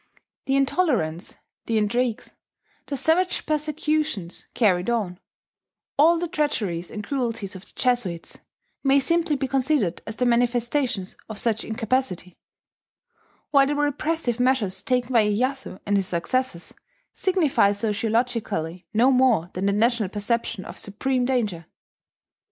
The intolerance, the intrigues, the savage persecutions carried on, all the treacheries and cruelties of the Jesuits, may simply be considered as the manifestations of such incapacity; while the repressive measures taken by Iyeyasu and his successors signify sociologically no more than the national perception of supreme danger.